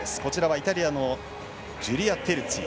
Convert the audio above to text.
イタリアのジュリア・テルツィ。